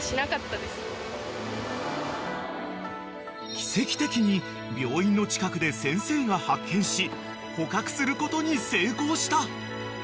［奇跡的に病院の近くで先生が発見し捕獲することに成功した］